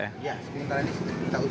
ya sekitar ini sudah usus